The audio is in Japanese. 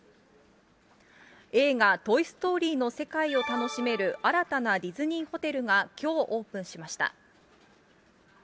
映画、トイ・ストーリーの世界を楽しめる、新たなディズニーホテルが、きょうオープンしました。